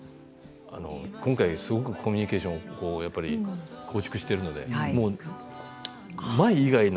今回すごくコミュニケーション構築しているので、もう舞以外の。